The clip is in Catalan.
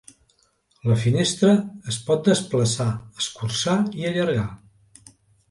La finestra es pot desplaçar, escurçar i allargar.